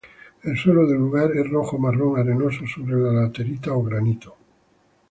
El suelo del lugar es rojo-marrón arenoso sobre laterita o granito.